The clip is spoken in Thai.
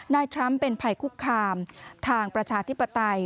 ทรัมป์เป็นภัยคุกคามทางประชาธิปไตย